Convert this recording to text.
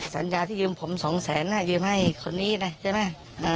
สัญญาที่ยืมผมสองแสนยืมให้คนนี้นะใช่ไหม